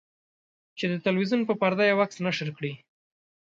چې د تلویزیون په پرده یو عکس نشر کړي.